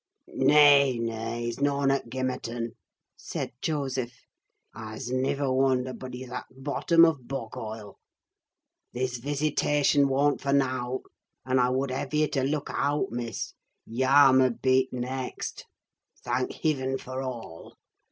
"Nay, nay, he's noan at Gimmerton," said Joseph. "I's niver wonder but he's at t' bothom of a bog hoile. This visitation worn't for nowt, and I wod hev' ye to look out, Miss—yah muh be t' next. Thank Hivin for all!